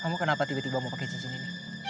kamu kenapa tiba tiba mau pakai cincin ini